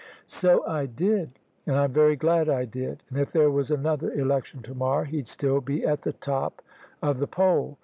"So I did; and I'm very glad I did; and if there was another election to morrow he'd still be at *the top of the poll.